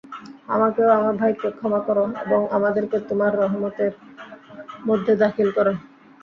আমাকে ও আমার ভাইকে ক্ষমা করো এবং আমাদেরকে তোমার রহমতের মধ্যে দাখিল কর।